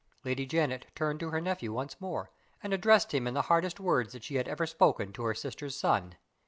Lady Janet turned to her nephew once more, and addressed him in the hardest words that she had ever spoken to her sister's son.